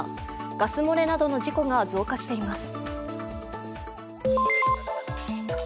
ガス漏れなどの事故が増加しています。